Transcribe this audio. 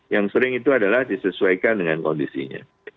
yang sering itu adalah disesuaikan dengan kondisinya